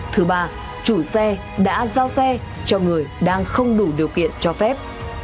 thứ ba chủ xe đã giao xe cho người đang không đủ điều kiện cho phép